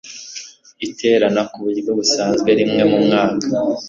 iterana ku buryo busanzwe rimwe mu mwaka